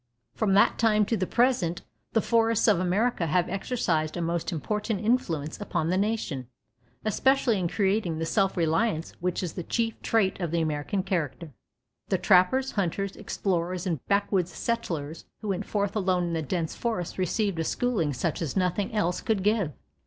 From that time to the present the forests of America have exercised a most important influence upon the nation, especially in creating the self reliance which is the chief trait of the American character. The trappers, hunters, explorers and backwoods settlers who went forth alone into the dense forests received a schooling such as nothing else could give.